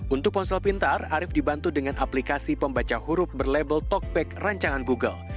untuk ponsel pintar arief dibantu dengan aplikasi pembaca huruf berlabel talkback rancangan google